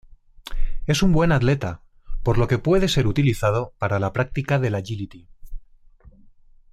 Es buen atleta, por lo que puede ser utilizado para la práctica del agility.